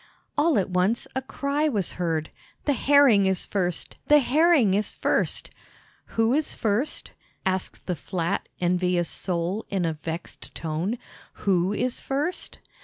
All at once a cry was heard, "The Herring is first, the Herring is first!" "Who is first?" asked the flat, envious Sole in a vexed tone. "Who is first?"